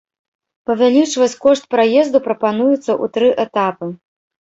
Павялічваць кошт праезду прапануецца ў тры этапы.